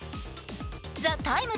「ＴＨＥＴＩＭＥ，」